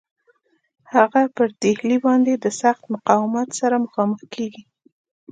هغه پر ډهلي باندي د سخت مقاومت سره مخامخ کیږي.